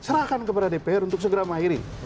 serahkan kepada dpr untuk segera mengakhiri